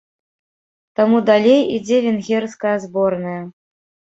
Таму далей ідзе венгерская зборная.